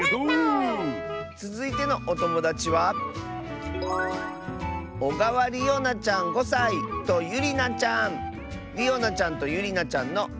つづいてのおともだちはりおなちゃんとゆりなちゃんの。